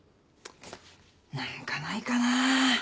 何かないかなぁ。